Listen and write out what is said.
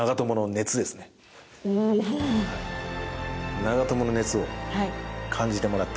長友の熱を感じてもらって。